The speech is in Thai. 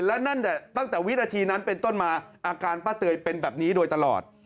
และตั้งแต่วินาทีนั้นเป็นต้นมาอาการป้าเตยเป็นแบบนี้โดยตลอด